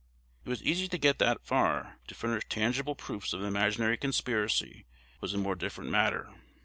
It was easy to get that far: to furnish tangible proofs of an imaginary conspiracy was a more difficult matter.